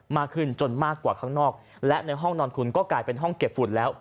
มากขึ้นจนมากกว่าข้างนอกและในห้องนอนคุณก็กลายเป็นห้องเก็บฝุ่นแล้ว